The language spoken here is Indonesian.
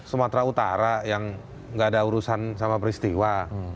sumatera utara yang nggak ada urusan sama peristiwa